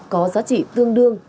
có giá trị tương đương